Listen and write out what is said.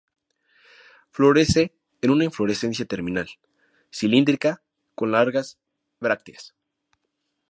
Florece en una inflorescencia terminal, cilíndrica, con largas brácteas.